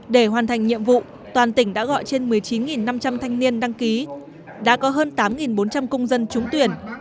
để hoàn thành nhiệm vụ toàn tỉnh đã gọi trên một mươi chín năm trăm linh thanh niên đăng ký đã có hơn tám bốn trăm linh công dân trúng tuyển